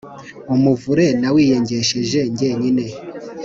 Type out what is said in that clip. umuvure nawiyengesheje jyenyine,